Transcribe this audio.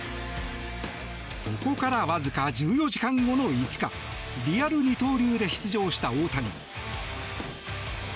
そこからわずか１４時間後の５日リアル二刀流で出場した大谷。